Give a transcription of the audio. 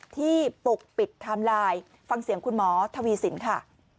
ที่ปลุกปิดทำลายฟังเสียงคุณหมอทวีสินค่ะ